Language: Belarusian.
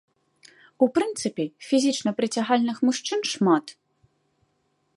У прынцыпе, фізічна прыцягальных мужчын шмат.